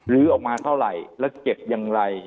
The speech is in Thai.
ออกมาเท่าไหร่แล้วเก็บอย่างไร